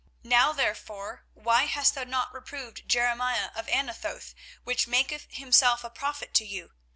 24:029:027 Now therefore why hast thou not reproved Jeremiah of Anathoth, which maketh himself a prophet to you?